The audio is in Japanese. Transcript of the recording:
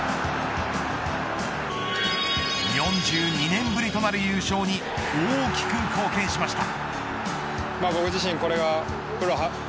４２年ぶりとなる優勝に大きく貢献しました。